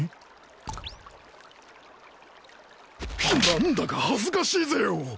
何だか恥ずかしいぜよ！